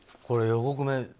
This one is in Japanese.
これ、横粂